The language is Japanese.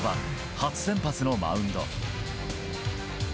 初先発のマウンド。